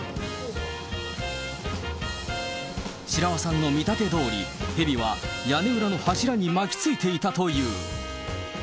白輪さんの見立てどおり、ヘビは屋根裏の柱に巻きついていたという。